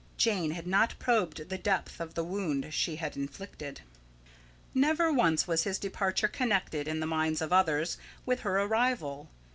Jane had not probed the depth of the wound she had inflicted. Never once was his departure connected, in the minds of others, with her arrival.